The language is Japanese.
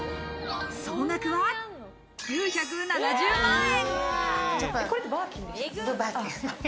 総額は９７０万円。